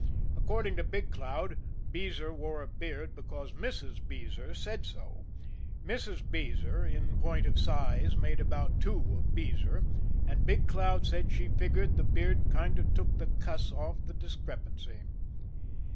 According to Big Cloud, Beezer wore a beard because Mrs. Beezer said so; Mrs. Beezer, in point of size, made about two of Beezer, and Big Cloud said she figured the beard kind of took the cuss off the discrepancy.